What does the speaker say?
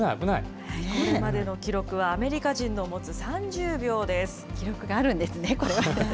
これまでの記録はアメリカ人記録があるんですね、これ。